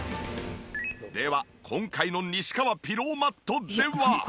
では今回の西川ピローマットでは。